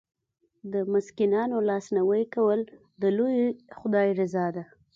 د مسکینانو لاسنیوی کول د لوی خدای رضا ده.